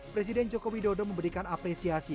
presiden jokowi dodo memberikan apresiasi